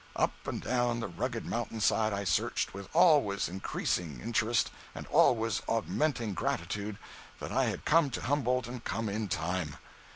Up and down the rugged mountain side I searched, with always increasing interest and always augmenting gratitude that I had come to Humboldt and come in time.